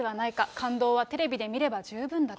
感動はテレビで見れば十分だと。